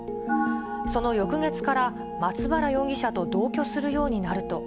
その翌月から、松原容疑者と同居するようになると。